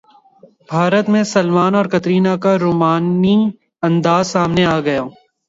بھارت میں سلمان اور کترینہ کا رومانوی انداز سامنے اگیا